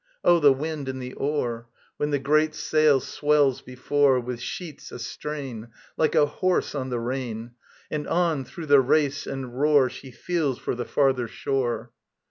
Oh, the wind and the oar, When the great sail swells before, With sheets astrain, like a horse on the rein; And on, through the race and roar, She feels for the farther shore.